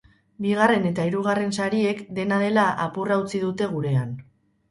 Bigarren eta hirugarren sariek, dena dela, apurra utzi dute gurean.